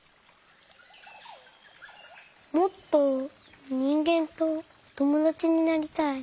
もっとにんげんとともだちになりたい。